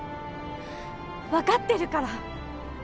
わかってるから！